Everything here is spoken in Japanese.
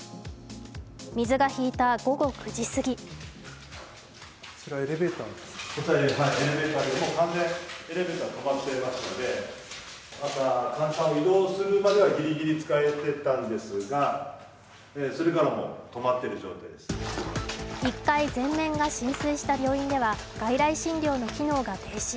水が引いた午後９時すぎ１階全面が浸水した病院では外来診療の機能が停止。